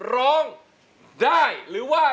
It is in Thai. ร้องได้หรือว่า